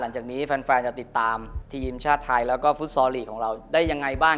หลังจากนี้แฟนจะติดตามทีมชาติไทยแล้วก็ฟุตซอลลีกของเราได้ยังไงบ้าง